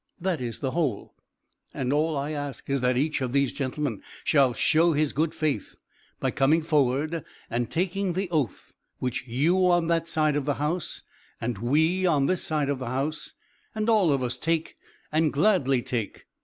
That is the whole. All I ask is that each of these gentlemen shall show his good faith by coming forward and taking the oath which you on that side of the House, and we on this side of the House, and all of us take, and gladly take.